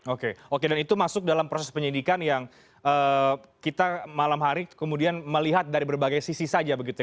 oke oke dan itu masuk dalam proses penyidikan yang kita malam hari kemudian melihat dari berbagai sisi saja begitu ya